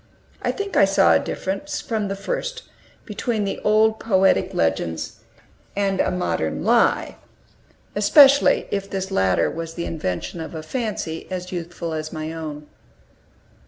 I think I saw a difference, from the first, between the old poetic legends and a modern lie, especially if this latter was the invention of a fancy as youthful as my own.